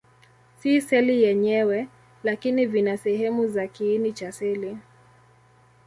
Si seli yenyewe, lakini vina sehemu za kiini cha seli.